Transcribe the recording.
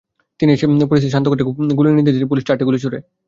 তিনি এসে পরিস্থিতি শান্ত করতে গুলির নির্দেশ দিলে পুলিশ চারটি গুলি ছোড়ে।